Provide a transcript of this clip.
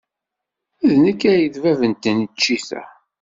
D nekk ay d bab n tneččit-a.